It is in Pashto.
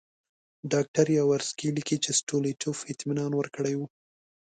ډاکټر یاورسکي لیکي چې ستولیټوف اطمینان ورکړی وو.